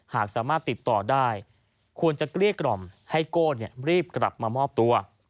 หากสามารถติดต่อได้ควรจะเกลี้ยกล่อมให้โก้รีบกลับมามอบตัว